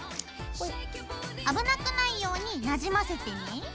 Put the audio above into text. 危なくないようになじませてね。